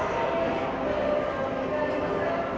ขอบคุณทุกคนมากครับที่ทุกคนรัก